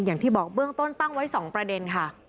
อย่างที่บอกเบื้องต้นตั้งไว้๒ประเด็นค่ะ